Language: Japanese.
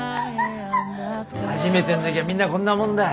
初めての時はみんなこんなもんだ。